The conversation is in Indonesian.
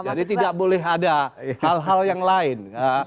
jadi tidak boleh ada hal hal yang lain